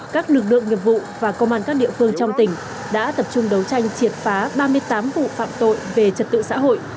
các lực lượng nghiệp vụ và công an các địa phương trong tỉnh đã tập trung đấu tranh triệt phá ba mươi tám vụ phạm tội về trật tự xã hội